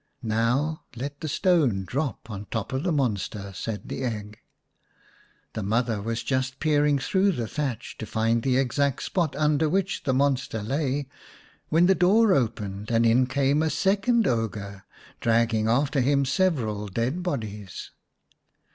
" Now let the stone drop on top of the monster," said the egg. The mother was just peering through the thatch to find the exact spot under which the monster lay, when the door opened and in came a second ogre, dragging after him several dead bodies.